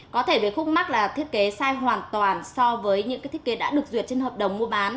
có thể về khúc mắc là thiết kế sai hoàn toàn so với những thiết kế đã được duyệt trên hợp đồng mua bán